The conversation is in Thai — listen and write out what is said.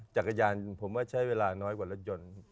จักรยานผมว่าใช้เวลาน้อยกว่ารถยนต์